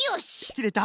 きれた？